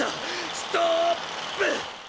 ストーップ！